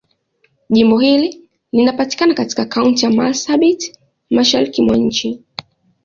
Jimbo hili linapatikana katika Kaunti ya Marsabit, Mashariki mwa nchi.